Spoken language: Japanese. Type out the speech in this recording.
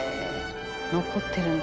「残ってるんだ。